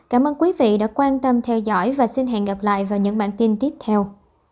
cảm ơn quý vị đã quan tâm theo dõi và xin hẹn gặp lại vào những bản tin tiếp theo